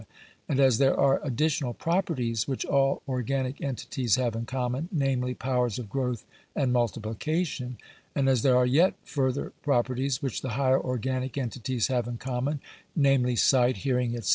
and as there are additional properties which all organic entities have in common, namely, powers of growth and multiplication; and as there are yet further pro perties which the higher organic entities have in common, namely, sight, hearing, &c.